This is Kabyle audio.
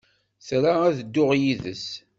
Tra ad dduɣ yid-s.